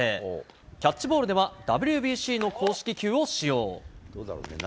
キャッチボールではＷＢＣの公式球を使用。